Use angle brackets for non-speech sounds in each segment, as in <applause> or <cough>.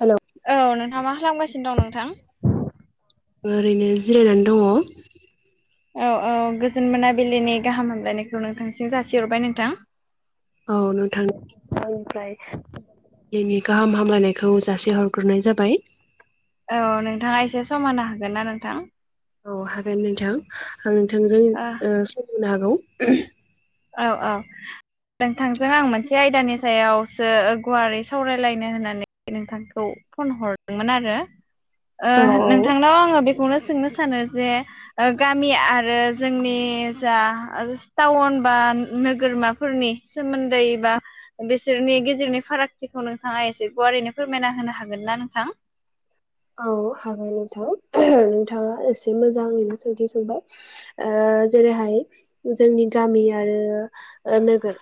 Hello औ नोंथहा मा खालामगासिनो दं नोंथां? ओरैनो जिरायनानै दङ। औ औ गोजोन मोनाबिलिनि गाहाम हामलायनायखौ नोंथांसिम जासिहरबाय नोंथां। औ नोंथां आंनिफ्राय सेनि गाहाम हामलायनायखौ जासिहरग्रोनाय जाबाय। औ नोंथाङा एसे सम होनो हागोन ना नोंथां? औ हागोन नोंथां आं नोंथांजों औ ओ‌ सम होनो हागौ। औ औ नोंथांजों आं मोनसे आयदानि सायावसो गुवारै सावरायलायनो होननानै नोंथांखौ फन हरदोंमोन आरो ओ औ नोंथांनाव आङो बेखौनो सोंनो सानो जे गामि आरो जोंनि जा टाउन बा नोगोरमाफोरनि सोमोन्दै बा बिसोरनि गेजेरनि फारागथिखौ नोंथाङा इसे गुवारैनो फोरमायना होनो हागोन ना नोंथां? औ हागोन नोंथां नोंथाङा एसे मोजाङैनो सोंथि सोंबाय ओ ओ जेरैहाय जोंनि गामि आरो ओ नोगोर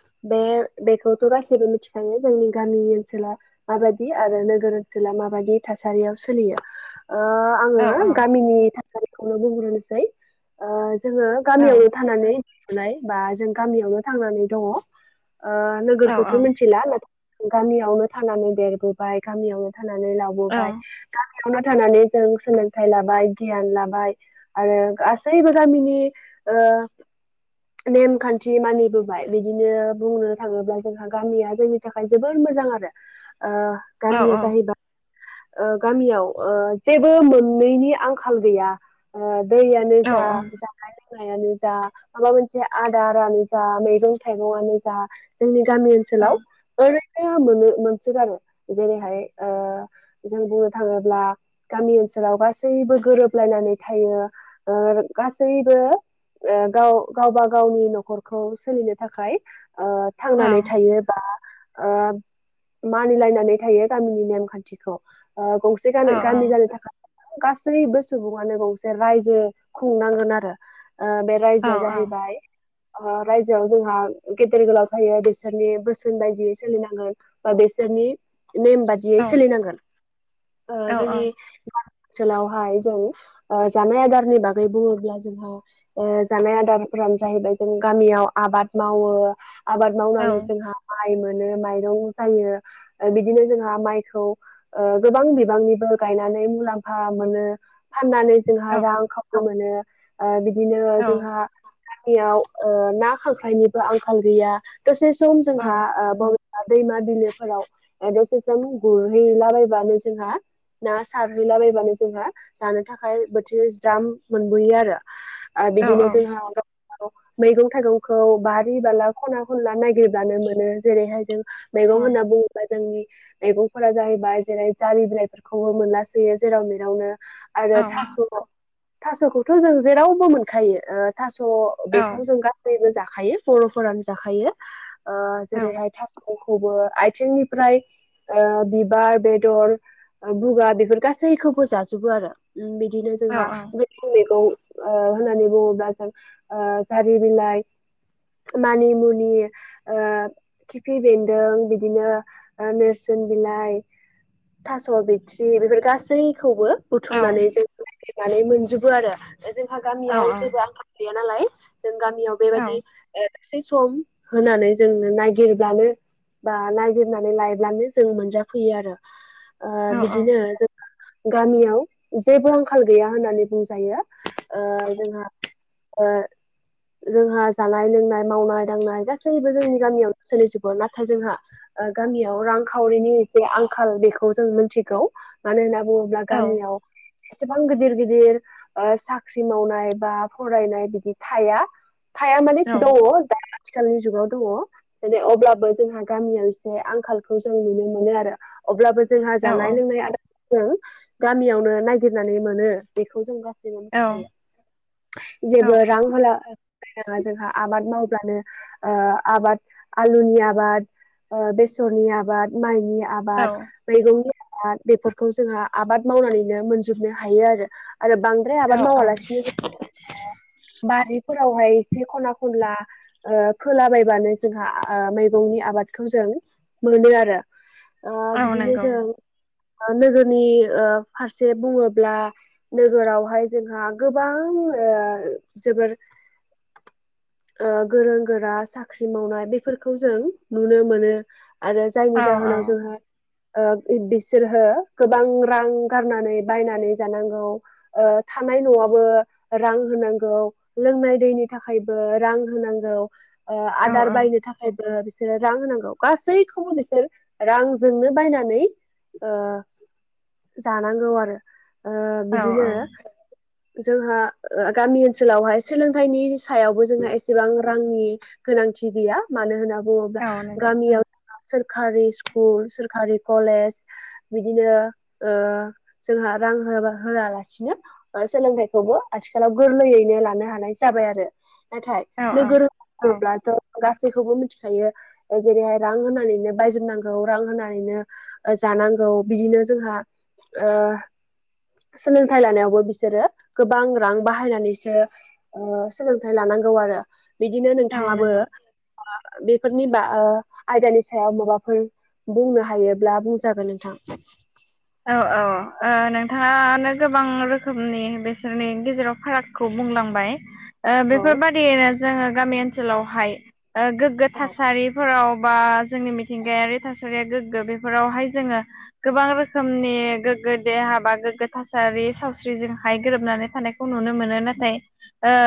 बेखौथ गा जोबो मिथिखायो जोंनि गामि ओनसोला माबायदि आरो नोगोर ओनसोला माबायदि थासारियाव सोलियो औ आङो गामिनि थासारिखौनो बुंग्रोनोसै जोङो औ गामियावनो थानानै बा जों गामियावनो थांनानै दङ। ओ औ औ नोगोरखौथ मिथिला नाथाय गामियावनो थानानै देरबोबाय गामियावनो हानानै औ लाबोबाय आवनो थानानै जों सोलोंथाइ लाबाय गियान लाबाय आरो गासैबो गामिनि ओ नेमखान्थि मानिबोबाय बिदिनो बुंनो थाङोब्ला जोंहा गामिया जोंनि थाखाय जोबोद मो मोजां आरो ओ औ गामिया औ जाहैबाय ओ गामियाव ओ जेबो मोननैनि आंखाल गैया ओ दैयानो औ जा जानाय लोंनाय नायानो जा माबा मोनसे आदारानो जा मैगं थाइगंनो जा जोंनि गामि ओनसोलाव मोनसोगारो जेरैहाय जों बुङो। थाङोब्ला गामि ओनसोलाव गासैबो गोरोबलायनानै थायो ओ। गाव गावबा गावनि न'खरखौ सोलिनो थाखाय थांनानै थायो बा। मानिलायनानै थायो गामिनि नेमखानथिखौ गंसे गामि गामि जानो थाखाय गासैबो सुबुङानो गंसे रायजो खुंनांगोन आरो। बे रायजोआ जाहैबाय रायजोआव जोंहा गेदेर गोलाव थायो बिसोरनि बोसोन बायदियै सोलिनांगोन बे बिसोरनि नेम बादियै सोलिनांगोन औ जोंनि ओनसोलावहाय जों जानाय आदारनि बागै बुङोब्ला जोंहा जानाय आदार आबादानो जाहैबाय जों गामियाव आबाद मावो आबाद मावनानै जोंहा माइ मोनो माइरं जायो बिदिनो जोंहा माइखौ गोबां बिबांनिबो गायनानै मुलामफा मोनो। फाननानै जोंहा रां <unintelligible> मोनो बिदिनो जोंहा मियाव ना खांख्रायनिबो आंखाल गैया दसे सम जोंहा दैमा बिलोफोराव दसे सम गुरहैलाबायबानो जोंहा ना सारहैलाबायबानो जोंहा जानो थाखाय बोथिसे ज्राम मोनबोयो आरो। औ आरो बिदिनो जोंहा मैगं थाइगंखौ बारि बाला खना खनला नायगिरब्लानो मोनो जेरैहाय जों मैगं होनना बुङोबा जोंनि मैगंफोरा जाहैबाय। जेरै जारि बिलाइफोरखौबो मोनलासोयो जेराव मेरावनो आरो थास' थास'खौथ' जों जेरावबो मोनखायो थास' बेखौ जों गासैबो जाखायो। खायो बर'फोरानो जाखायो ओ जेरैहाय खौबो आथिंनिफ्राय बिबार बे बेदर बुगा बेफोर गासैखौबो जाजोबो आरो। बिदिनो औ जोंहा लुखेल मैगं होननानै बुङोब्ला जों जारि बिलाइ मानि मुनि खिफि बेन्दों बिदिनो नोरस बिलाइ थास' बिथ्रि बेफोर गासैखौबो बुथुमनानै जों नानै मोनजोबो आरो जोंहा गामियाव जेबो आंखाल गैया नालाय। जों गामियाव बेबायदि दसे सम होनानै जों नागिरब्लानो बा नायगिरनानै लायोब्लानो जोङो मोनजाफैयो आरो। बिदिनो जों गामियाव जेबो आंखाल गैया होननानै बुंजायो। जोंहा ओ जोंहा जानाय लोंनाय मावनाय दांनाय गासैबो जोंनि गामियावनो सोलिजोबो। नाथाय जोंहा गामियाव रां खावरिनि एसे आं खाल बेखौ जों मिथिगौ मानो होनना बुङोब्ला गामियाव एसेबां गिदिर गिदिर साख्रि मावनाय बा फरायनाय बिदि थाया। थाया माने दङ आथिखालनि जुगाव दङ दिनै अब्लाबो जोंहा गामियाव एसे आंखालखौ जों नुनो मोनो आरो। अब्लाबो जोंहा जानाय लोंनाय आदार जों गामियावनो नायगिरनानै मोनो बेखौ जों जों मिथिखायो जेबो रां होला नाङा जोंहा आबाद मावब्लानो आबाद आलुनि आबाद बेसरनि आबाद माइनि आबाद मैगंनि आबाद बेफोरखौ जोंङो आबाद मावनानैनो मोनजोबनो हायो आरो। आरो बांद्राय आबाद मावालासिनो बारिफोरावहाय एसे खना खनला फोलाबायबानो जोंहा मैगंनि आबाद खौ जों मोनो आरो बिदिनो नंगौ जों नोगोरनि फारसे बुङोब्ला नोगोरावहाय जोंहा गोबां ओ जोबोर <inaudible> ओ गोरों गोरा साख्रि मावनाय बेफोरखौ जों नुनो मोनो। आरो औ जायनि औ जाहोनाव जोंहा ओ बिसोरहो गोबां रां गारनानै बायनानै जानांगौ। थानाय नआबो रां होनांगौ लोंनाय दैनि थाखायबो रां होनांगौ। ओ औ आदार बायनो थाखायबो बिसोरो रां होनांगौ गासैखौबो बिसोर रां जोंनो बायनानै जानांगौ आरो। ओ बिदिनो औ जोंहा गामि ओनसोलावहाय सोलोंथाइनि सायावबो जोंहा एसेबां रांनि गोनांथि गैया मानो होनना बुङोब्ला औ नंगौ गामियाव सोरकारि स्कुलस सोरखारि कलेज बिदिनो जोंहा ओ रां होयालासिनो सोलोंथाइखौबो आथिखालाव गोरलैयैनो लानो हानाय जाबाय आरो। नाथाय औ नोगोर औ होनोब्लाथ गासैखौबो मिथिखायो जेरैहाय रां होनानैनो बायजोबनांगौ रां होनानै ओ जानांगौ बिदिनो जोंहा ओ सोलोंथाइ लानायावबो बिसोरो गोबां रां बाहायनानैसो ओ सोलोंथाइ लानांगौ आरो बिदिनो औ औ नोंथाङाबो नंगौ बेफोरनि बा ओ आयदानि सायाव माबाफोर बुंनो हायोब्ला बुंजागोन नोंथां। औ औ‌ ओ नोंथाङानो गोबां रोखोमनि बेसोरनि गेजेराव फारागखौ बुंलांबाय ओ औ बेफोरबायादियैनो जोङो गामि ओनसोलावहाय गोग्गो औ थासारिफोराव बा जोंनि मिथिंगायारि थासारिया गोग्गो बेफोरावहाय जोङो गोबां रोखोम रोखोमनि गोग्गो देहा बा गोग्गो थासारि सावस्रिजोंहाय गोरोबनानै थानायखौ नुनो मोनो। थाय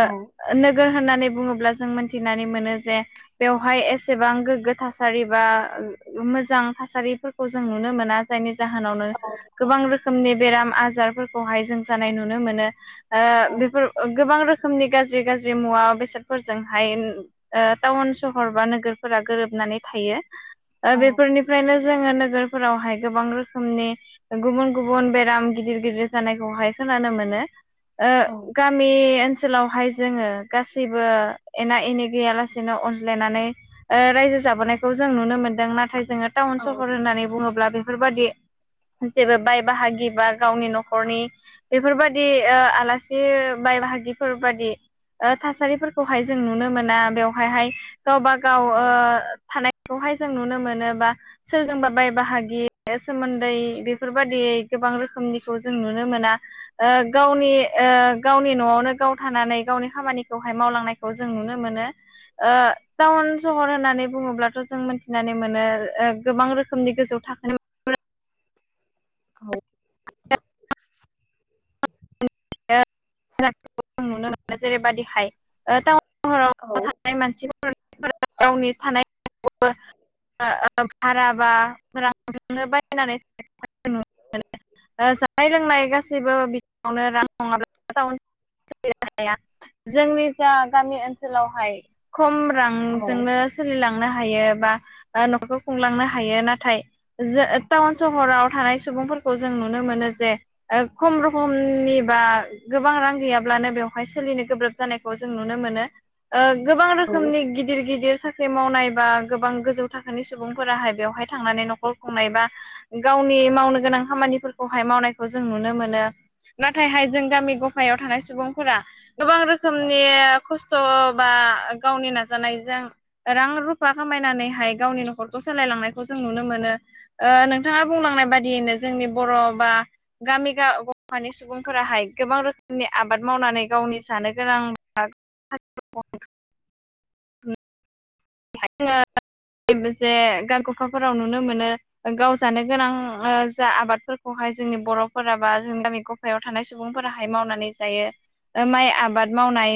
औ ओ नो होननानै बुङोब्ला जों मोनथिनानै मोनो जे बेवहाय एसेबां गोग्गो थासारि बा मोजां थासारिफोरखौ जों नुनो मोना। जायनि जाहोनावनो औ गोबां रोखोमनि बेराम आजारफोरखौहाय जों जानाय नुनो मोनो। ओ औ बेफोर गोबां रोखोम रोखोमनि गाज्रि गाज्रि मुवा बेसादफोरजोंहाय ओ टाउन सहर बा नोगोरफोरा गोरोबनाय थायो। औ बेफोरनिफ्रायनो जोङो नोगोरफोरावहाय गोबां रोखोम समनि गुबुन गुबुन बेराम गिदिर गिदिर जानायखौहाय खोनानो मोनो। ओ औ गामि ओनसोलावहाय जोङो गासैबो एना एनि गैयालासेनो अनज्लायनानै रायजो जाबोनायखौ जों नुनो मोनदों नाथाय जोङो टाउन सहर होननानै बुङोब्ला बेफोरबायदि जेबो बाय बाहागि बा गावनि नखरनि बेफोरबायदि ओ आलासि बाय बाहागि बायदिफोर बायदि थासारिफोरखौहाय जों नुनो मोना। बेवहायहाय गावबा गाव ओ थानाय बेहाय जों नुनो मोनोबा सोरजोंबा बाय बाहागि सोमोनदै बेफोरबायदियै गोबां रोखोमनिखौ जों नुनो मोना ओ गावनि गावनि नआवनो गाव थानानै गावनि खामानिखौहाय मावलांनायखौ जों नुनो मोनो। टाउन सहर होननानै बुङोब्लाथ जों मिथिनानै मोनो गोबां रोखोमनि गोजौ थाखोनि औ नुनो मोनो। जेरैबायदिहाय सहराव औ थानाय मानसिफोरा गावनि थानाय भाराबा रांजोंनो बायनानै नुनो मोनो। जानाय लोंनाय गासैबो बिथिावनो रां नङाब्ला जोंनि जा गामि ओनसोलावहाय खम औ रांजोंनो सोलिलाङो। बा न'खरखौ खुंलांनो हायो नाथाय टाउन सहराव थानाय सुबुं सुबुंफोरखौ जों नुनो मोनो जे खम रखमनि बा गोबां रां गैयाब्लानो बेव हाय सोलिनो गोब्राब जानायखौ जों नुनो मोनो गोबां औ रोखोमनि गिदिर गिदिर साख्रि मावनाय बा गोबां गोजौ थाखोनि सुबुंफोराहाय बेवहाय थांनानै न'खर खुंनाय बा गाव नि मावनो गोनां खामानिफोरखौहाय मावनायखौ जों नुनो मोनो। नाथायहाय जों गामि गफायाव थानाय सुबुंफोरा गोबां रोखोमनि खस्थ' गावनि नाजानायजों रां रुफा खामायनानैहाय गावनि न'खरखौ सोलायलांनायखौ जों नुनो मोनो। नोंथाङा बुंलांनाय बायदियैनो जोंनि बर' बा गामि सुबुंफोराहाय गोबां रोखोम नि आबाद मावनानै गावनि जानो गोनां <inaudible> जे गारखखाफोराव नुनो मोनो। गाव जानो गोनां जा आबादफोरखौहाय जोंनि बर'फोरा बा जोंनि गामि गफायाव थानाय सुबुंफोराहाय मावनानै जायो। माइ आबाद मावनाय